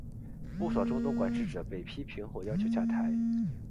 不少中东管治者被批评或要求下台。